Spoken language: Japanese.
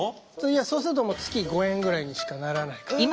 そうすると月５円ぐらいにしかならないから。